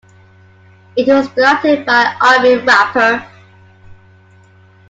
It was directed by Irving Rapper.